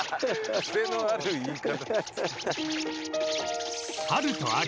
癖のある言い方。